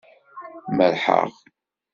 Merrḥeɣ.